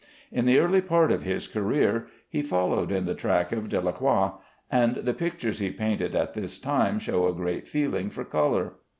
In the early part of his career he followed in the track of Delacroix, and the pictures he painted at this time show a great feeling for color.